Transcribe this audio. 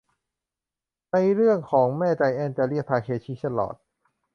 ในเรื่องแม่ของไจแอนท์จะเรียกทาเคชิตลอด